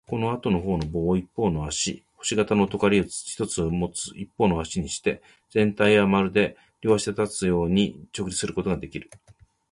このあとのほうの棒を一方の足、星形のとがりの一つをもう一方の足にして、全体はまるで両足で立つように直立することができる。